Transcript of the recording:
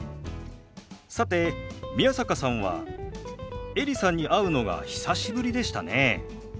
さて宮坂さんはエリさんに会うのが久しぶりでしたね。